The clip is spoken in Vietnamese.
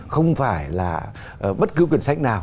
không phải là bất cứ quyển sách nào